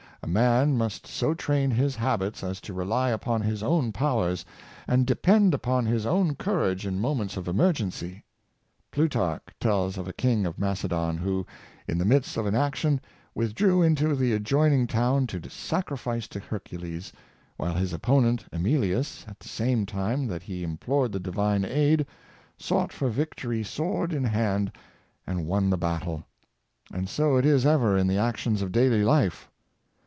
A man must so train his habits as to rely upon his own powers, and depend upon his own courage in moments of emergency. Plutarch tells of a King of Macedon who, in the midst of an action, withdrew into the adjoining town to sacrifice to Hercules; while his opponent Emilius, at the same time that he implored the Divine aid, sought for vic tory sword in hand, and won the battle. And so it ever is in the actions of daily life.